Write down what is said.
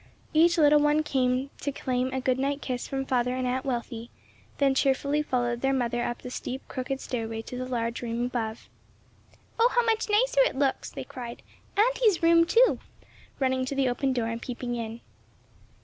Each little one came to claim a good night kiss from father and Aunt Wealthy, then cheerfully followed their mother up the steep crooked stairway to the large room above. "Oh, how much nicer it looks!" they cried "Auntie's room too," running to the open door and peeping in.